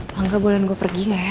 maka boleh gue pergi gak ya